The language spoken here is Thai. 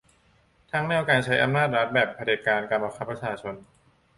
ทั้งแนวการใช้อำนาจรัฐแบบเผด็จการบังคับประชาชน